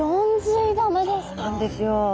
そうなんですよ。